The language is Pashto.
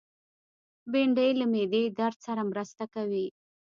بېنډۍ له معدې درد سره مرسته کوي